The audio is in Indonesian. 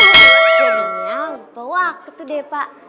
jadinya lupa waktu deh pak